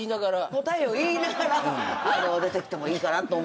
答えを言いながら出てきてもいいかなと思うぐらい。